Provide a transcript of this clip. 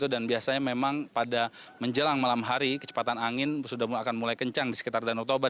dan biasanya memang pada menjelang malam hari kecepatan angin sudah akan mulai kencang di sekitar danau toba